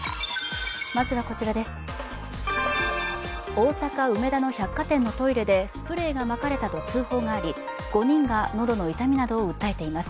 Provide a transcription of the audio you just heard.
大阪・梅田の百貨店のトイレでスプレーがまかれたと通報があり、５人が喉の痛みなどを訴えています。